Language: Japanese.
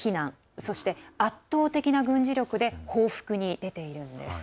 そして圧倒的な軍事力で報復に出ているようです。